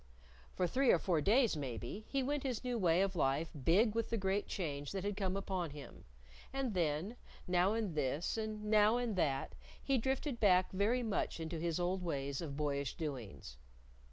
For three or four days, maybe, he went his new way of life big with the great change that had come upon him, and then, now in this and now in that, he drifted back very much into his old ways of boyish doings.